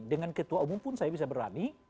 dengan ketua umum pun saya bisa berani